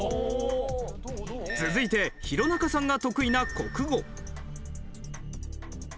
続いて弘中さんが得意な国語。